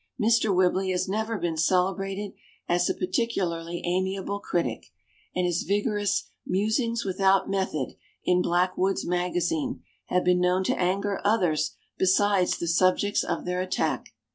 Mr. Whibley has never been celebrated as a particularly amiable critic, and his vigorous "Musings Without Method" in "Blackwood's Magazine" have been known to anger others besides the subjects of their at tack.